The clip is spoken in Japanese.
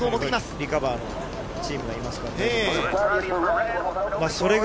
リカバーのチームがいますから、必ず。